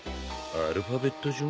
アルファベット順？